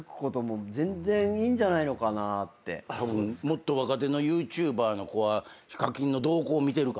もっと若手のＹｏｕＴｕｂｅｒの子はＨＩＫＡＫＩＮの動向を見てるからね。